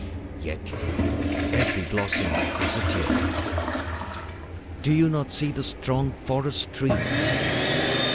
Yet every blossom is a tear. Do you not see the strong forest trees?